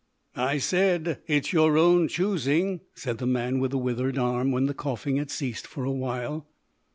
"I said it's your own choosing," said the man with the withered arm, when the coughing had ceased for a while.